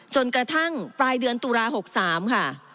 จนกระทั่งปลายเดือนตุลา๖๓ค่ะ